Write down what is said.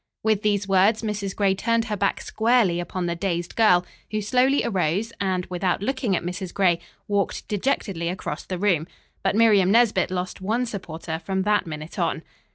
With these words, Mrs. Gray turned her back squarely upon the dazed girl, who slowly arose, and without looking at Mrs. Gray, walked dejectedly across the room. But Miriam Nesbit lost one supporter from that minute on.